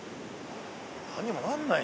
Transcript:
何にもなんないっしょ。